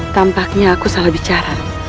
tampaknya aku salah bicara